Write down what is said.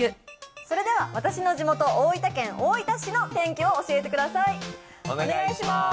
それでは私の地元、大分県大分市の天気を教えてください。